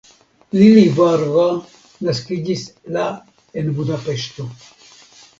Lili Varga naskiĝis la en Budapeŝto.